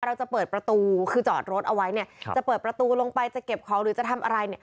เราจะเปิดประตูเข้าจอดกระเป๋าโรงประตูโรงไปจะเก็บของหรือจะทำอะไร